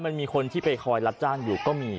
มันมีคนที่ไปคอยรับจ้างอยู่ก็มี